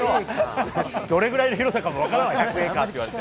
どれぐらいの広さかも分からない。